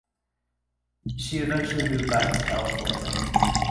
She eventually moved back to California.